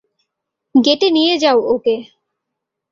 গেটে নিয়ে যাও ওকে।